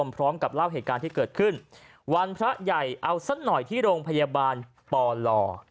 ตอนนี้เกิดขึ้นวันพระใหญ่เอาสักหน่อยที่โรงพยาบาลปรล